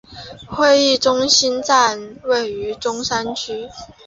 会议中心站位于中山区。